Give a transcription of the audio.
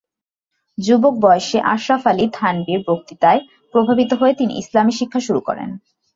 যুবক বয়সে আশরাফ আলী থানভীর বক্তৃতায় প্রভাবিত হয়ে তিনি ইসলামি শিক্ষা শুরু করেন।